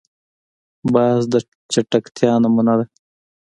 باز د چټکتیا نمونه ده